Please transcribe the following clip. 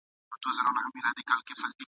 ږغ د پاولیو شرنګ د بنګړیو !.